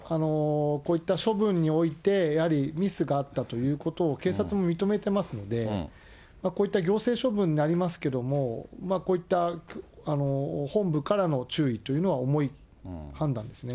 こういった処分において、やはりミスがあったということを、警察も認めてますので、こういった行政処分になりますけれども、こういった本部からの注意というのは重い判断ですね。